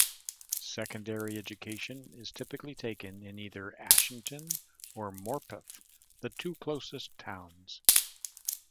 Secondary education is typically taken in either Ashington or Morpeth, the two closest towns.